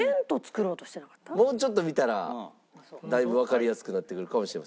もうちょっと見たらだいぶわかりやすくなってくるかもしれません。